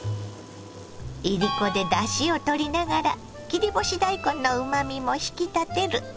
いりこでだしをとりながら切り干し大根のうまみも引き立てる。